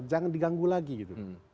jangan diganggu lagi gitu